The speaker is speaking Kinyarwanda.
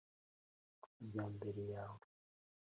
Amajyambere yawe